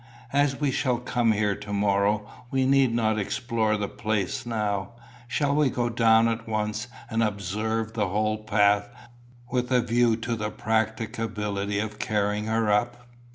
"As we shall come here to morrow, we need not explore the place now. Shall we go down at once and observe the whole path, with a view to the practicability of carrying her up?"